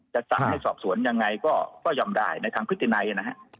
จะสร้างให้สอบสวนยังไงก็ยอมได้ในความคิดในนะครับ